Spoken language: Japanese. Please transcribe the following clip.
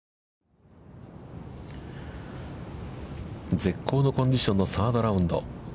絶好のコンディションのサードラウンド。